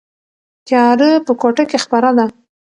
تیاره په کوټه کې خپره ده.